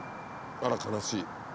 あら悲しい。